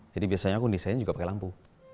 jadi biasanya aku desain juga pakai lampu